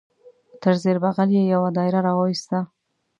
تر زیر بغل یې یو دایره را وایسته.